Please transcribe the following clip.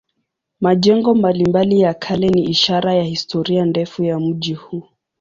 Majengo mbalimbali ya kale ni ishara ya historia ndefu ya mji huu.